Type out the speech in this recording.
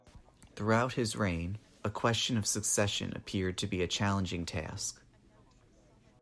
Throughout his reign, a question of succession appeared to be a challenging task.